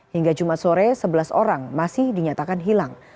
hingga jumat sore sebelas orang masih dinyatakan hilang